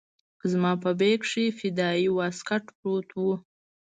زما په بېګ کښې فدايي واسکټ پروت و.